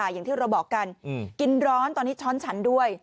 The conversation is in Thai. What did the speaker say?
อย่างที่เราบอกกันกินร้อนตอนนี้ช้อนฉันด้วย